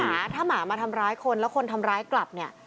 จริงถ้าหมามาทำร้ายคนแล้วคนทำร้ายกลับ